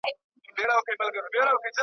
بس تر مرګه به مو هلته یارانه وي .